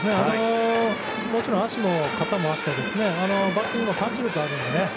もちろん足も肩もあってバッティングもパンチ力があるのでね。